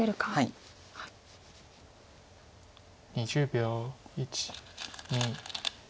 ２０秒。